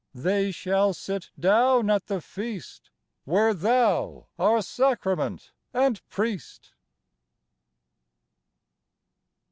They shall sit down at the Feast Where Thou are Sacrament and Priest.